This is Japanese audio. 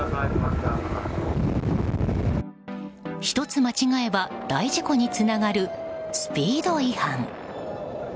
ひとつ間違えば大事故につながるスピード違反。